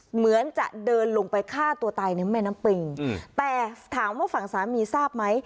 เหมือนจะเดินลงไปฆ่าตัวตายในแม่น้ำปิงแต่ถามว่าฝั่งสามีทราบไหม